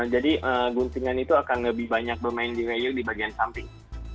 jadi guntingan itu akan lebih banyak bermain di layer di bagian samping